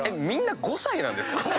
みんな５歳なんですか？